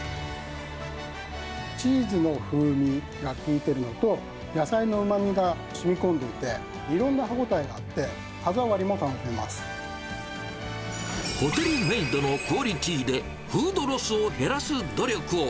チーズの風味が効いてるのと、野菜のうまみがしみこんでいて、いろんな歯応えがあって、歯触りホテルメイドのクオリティーで、フードロスを減らす努力を。